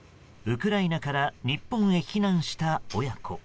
ウクライナから日本へ避難した親子。